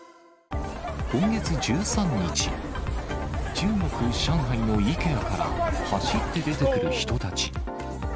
今月１３日、中国・上海のイケアから、走って出てくる人たち。